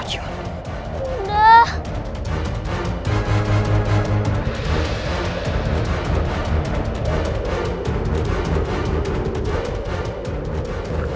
pasti aku bisa membantumu